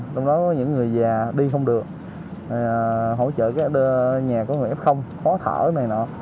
trong đó có những người già đi không được hỗ trợ các nhà có người f khó thở này nọ